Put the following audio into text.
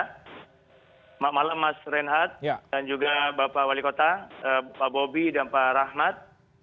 selamat malam mas renhat dan juga bapak wali kota pak bobi dan pak rahmat